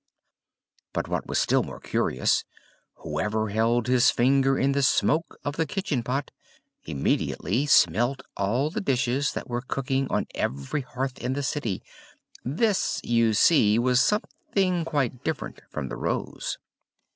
But what was still more curious, whoever held his finger in the smoke of the kitchen pot, immediately smelt all the dishes that were cooking on every hearth in the city this, you see, was something quite different from the rose.